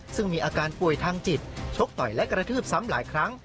ซึ่งมีอาการป่วยทางจิตชกต่อยและกระทืบซ้ำหลายครั้ง